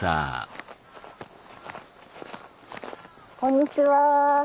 こんにちは。